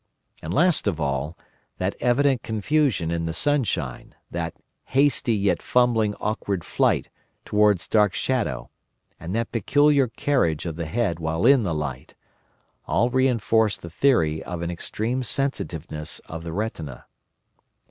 And last of all, that evident confusion in the sunshine, that hasty yet fumbling awkward flight towards dark shadow, and that peculiar carriage of the head while in the light—all reinforced the theory of an extreme sensitiveness of the retina.